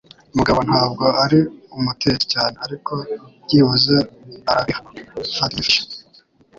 Mugabo ntabwo ari umutetsi cyane, ariko byibuze arabiha. (patgfisher)